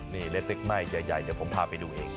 นี่เล็กหน้าใหญ่ผมพาไปดูเอง